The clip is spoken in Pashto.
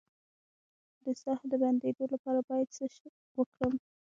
د ساه د بندیدو لپاره باید څه وکړم؟